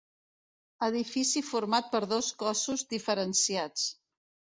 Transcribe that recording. Edifici format per dos cossos diferenciats.